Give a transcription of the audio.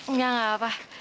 enggak enggak apa apa